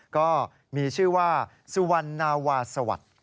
ก็มีชื่อว่าสุวรรณวาสวรรค์